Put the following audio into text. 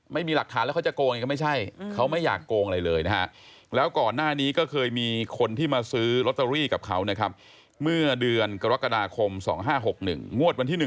ไม่มีหลักฐานแล้วเขาจะโกงเองก็ไม่ใช่